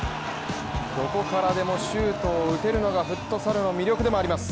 どこからでもシュートを打てるのがフットサルの魅力でもあります